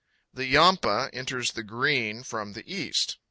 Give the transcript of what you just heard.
THE Yampa enters the Green from the east.